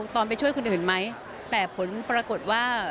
ตอนไปช่วยคนอื่นไหมแต่ผลปรากฏว่า